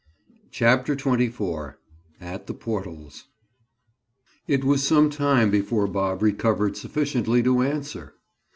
CHAPTER XXIV—AT THE PORTALS It was some time before Bob recovered sufficiently to answer.